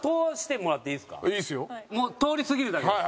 もう通り過ぎるだけです。